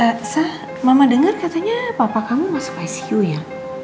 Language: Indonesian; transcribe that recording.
sah mama dengar katanya papa kamu masuk icu ya